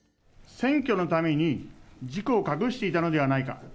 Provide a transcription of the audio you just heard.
選挙のために、事故を隠していたのではないか。